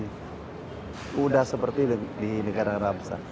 sudah seperti di negara arab besar